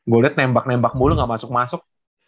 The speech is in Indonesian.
gue lihat nembak nembak mulu gak masuk masuk